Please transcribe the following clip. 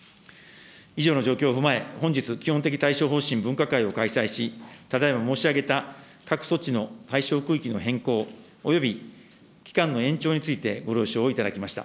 以上の状況を踏まえ、本日、基本的対処方針分科会を開催し、ただいま申し上げた各措置の対象区域の変更および期間の延長について、ご了承をいただきました。